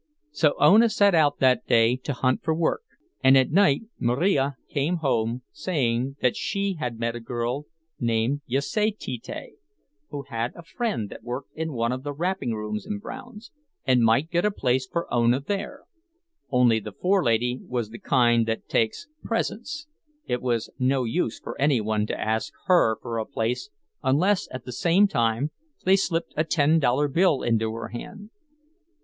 So Ona set out that day to hunt for work; and at night Marija came home saying that she had met a girl named Jasaityte who had a friend that worked in one of the wrapping rooms in Brown's, and might get a place for Ona there; only the forelady was the kind that takes presents—it was no use for any one to ask her for a place unless at the same time they slipped a ten dollar bill into her hand.